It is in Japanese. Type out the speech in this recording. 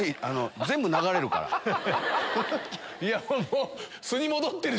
いやもう。